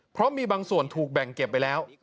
เพราะมีบางส่วนถูกแบ่งเก็บไปแล้ว